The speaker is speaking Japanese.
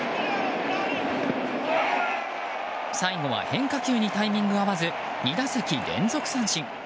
最後は変化球にタイミング合わず２打席連続三振。